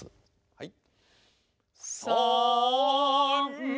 はい。